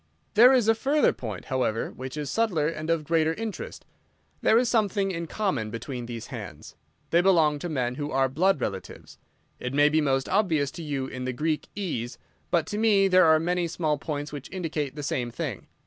"There is a further point, however, which is subtler and of greater interest. There is something in common between these hands. They belong to men who are blood relatives. It may be most obvious to you in the Greek e's, but to me there are many small points which indicate the same thing.